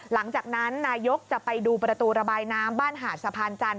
หลังจากนั้นนายกจะไปดูประตูระบายน้ำบ้านหาดสะพานจันท